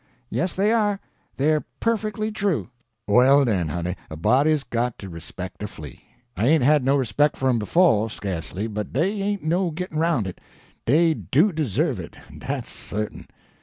"Yes, they are; they're perfectly true." "Well, den, honey, a body's got to respec' a flea. I ain't had no respec' for um befo', sca'sely, but dey ain't no gittin' roun' it, dey do deserve it, dat's certain."